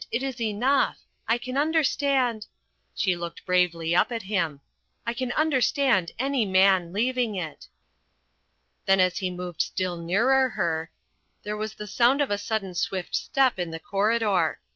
It is enough. I can understand" she looked bravely up at him "I can understand any man leaving it." Then as he moved still nearer her, there was the sound of a sudden swift step in the corridor.